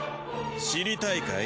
知りたいかい？